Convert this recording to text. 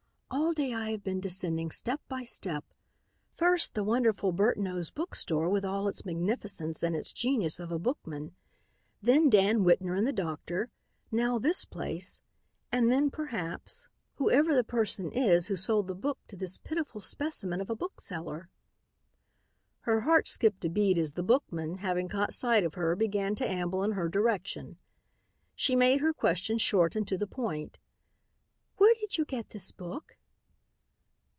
All day I have been descending step by step; first the wonderful Burtnoe's Book Store with all its magnificence and its genius of a bookman, then Dan Whitner and the doctor, now this place, and then perhaps, whoever the person is who sold the book to this pitiful specimen of a bookseller." Her heart skipped a beat as the bookman, having caught sight of her, began to amble in her direction. She made her question short and to the point. "Where did you get this book?"